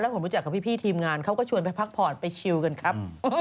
ผมรู้จักกับพี่ทีมงานเขาก็ชวนไปพักผ่อนไปชิวกันครับ